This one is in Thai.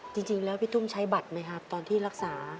จริงแล้วพี่ตุ้มใช้บัตรไหมครับตอนที่รักษา